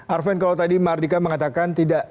arven kalau tadi mardika mengatakan tidak